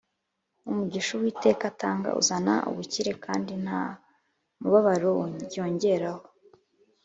umugisha uwiteka atanga uzana ubukire, kandi nta mubabaro yongeraho